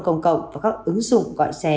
công cộng và các ứng dụng gọi xe